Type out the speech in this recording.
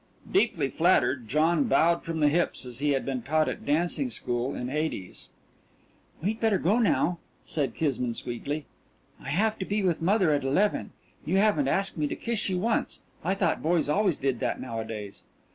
Deeply flattered, John bowed from the hips as he had been taught at dancing school in Hades. "We'd better go now," said Kismine sweetly. "I have to be with mother at eleven. You haven't asked me to kiss you once. I thought boys always did that nowadays."